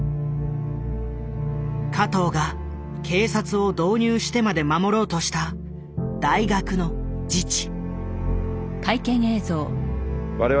加藤が警察を導入してまで守ろうとした大学の自治。